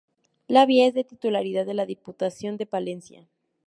La vía es de titularidad de la Diputación de Palencia.